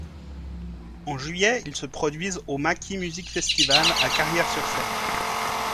En juillet, ils se produisent au Macki Music Festival à Carrières-sur-Seine.